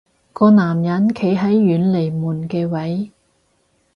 個男人企喺遠離門嘅位